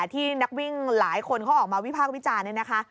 ที่นักวิ่งหลายคนเขาออกมาวิพากษ์วิจารณ์เนี่ยนะคะ